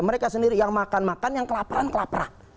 mereka sendiri yang makan makan yang kelaparan kelaprak